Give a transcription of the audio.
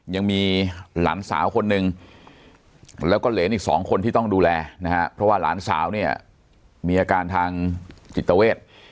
ยังมีหลานสาวคนหนึ่งแล้วก็เหรนอีกสองคนที่ต้องดูแลนะฮะเพราะว่าหลานสาวเนี่ยมีอาการทางจิตเวท